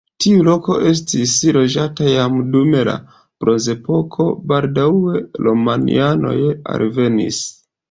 Tiu loko estis loĝata jam dum la bronzepoko, baldaŭe romianoj alvenis.